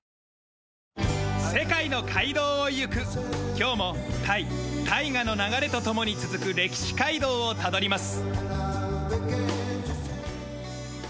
今日もタイ大河の流れと共に続く歴史街道をたどります。